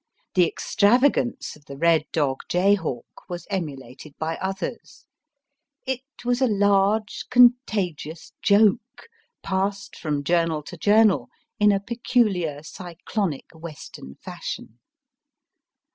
The extravagance of the Red Dog fay Hawk was emulated by others : it was a large, con tagious joke, passed from journal to journal in a peculiar cyclonic Western fashion.